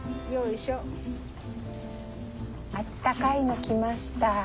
あったかいの来ました。